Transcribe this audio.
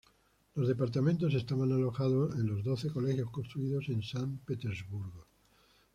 Los departamentos estaban alojados en los Doce Colegios construidos en San Petersburgo.